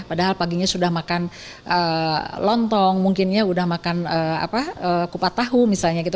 padahal paginya sudah makan lontong mungkin ya sudah makan kupat tahu misalnya gitu